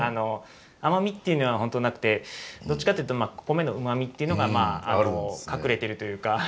甘みっていうのはホントなくてどっちかっていうと米のうまみっていうのが隠れてるというか。